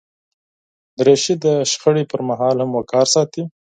دریشي د شخړې پر مهال هم وقار ساتي.